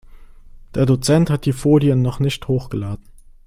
Der Dozent hat die Folien noch nicht hochgeladen.